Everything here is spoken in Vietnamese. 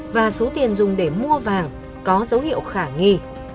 và số tiền dùng để mua vàng có dấu hiệu khả nghi